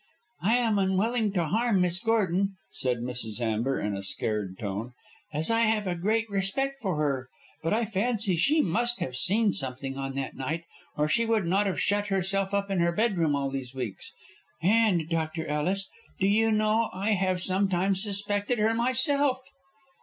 "I am unwilling to harm Miss Gordon," said Mrs. Amber, in a scared tone, "as I have a great respect for her. But I fancy she must have seen something on that night or she would not have shut herself up in her bedroom all these weeks. And, Dr. Ellis, do you know I have sometimes suspected her myself."